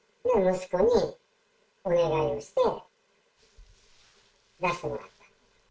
息子にお願いをして出してもらった。